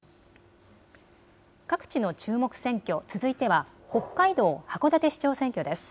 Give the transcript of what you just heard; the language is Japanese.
各地の注目選挙、続いては北海道函館市長選挙です。